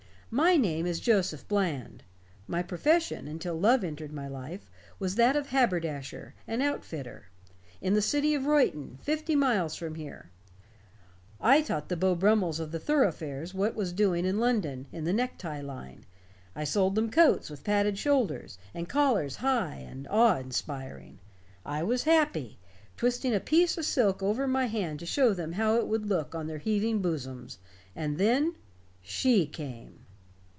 My name is Joseph Bland. My profession, until love entered my life, was that of haberdasher and outfitter. In the city of Reuton, fifty miles from here, I taught the Beau Brummels of the thoroughfares what was doing in London in the necktie line. I sold them coats with padded shoulders, and collars high and awe inspiring. I was happy, twisting a piece of silk over my hand to show them how it would look on their heaving bosoms. And then she came."